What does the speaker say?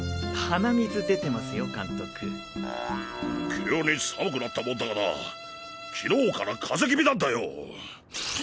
急に寒くなったもんだから昨日から風邪気味なんだよ。